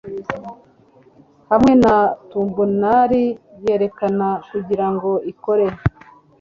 Hamwe na thumbnail yerekana kugirango ikore